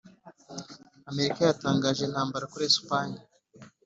amerika yatangaje intambara kuri esipanye